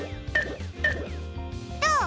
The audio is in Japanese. どう？